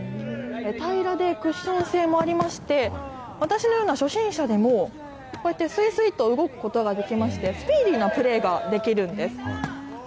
平らでクッション性もありまして、私のような初心者でも、こうやってすいすいと動くことができまして、スピーディーなプレーができるんです。